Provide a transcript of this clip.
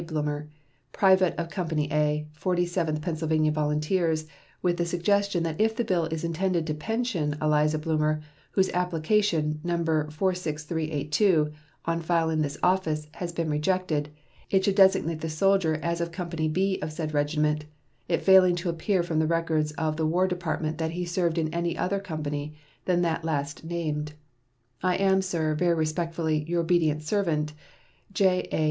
Blumer, private of Company A, Forty seventh Pennsylvania Volunteers, with the suggestion that if the bill is intended to pension Eliza Blumer, whose application, No. 46382, on file in this office, has been rejected, it should designate the soldier as of Company B of said regiment, it failing to appear from the records of the War Department that he served in any other company than that last named. I am, sir, very respectfully, your obedient servant, J.A.